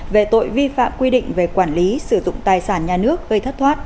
về tội vi phạm quy định về quản lý sử dụng tài sản nhà nước gây thất thoát